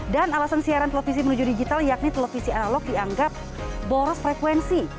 dan alasan siaran televisi menuju digital yakni televisi analog dianggap boros frekuensi